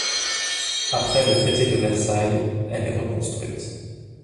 Après le traité de Versailles, elle est reconstruite.